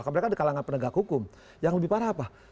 mereka di kalangan penegak hukum yang lebih parah apa